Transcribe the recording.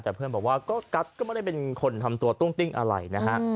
แต่เพื่อนบอกว่าก็กัสก็ไม่ได้เป็นคนทำตัวตุ้งติ้งอะไรนะฮะ